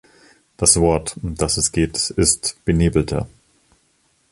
Das Wort, um das es geht, ist 'Benebelter'.